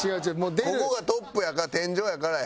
ここがトップやから天井やからや。